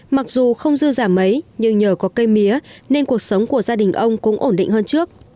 mặc dù không dư giảm mấy nhưng nhờ có cây mía nên cuộc sống của gia đình ông cũng ổn định hơn trước